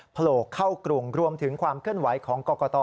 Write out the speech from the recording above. โผล่เข้ากรุงรวมถึงความเคลื่อนไหวของกรกต